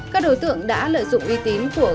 các đối tượng đã lợi dụng uy tín của các cơ quan